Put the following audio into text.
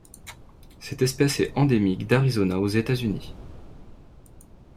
Cette espèce est endémique d'Arizona aux États-Unis.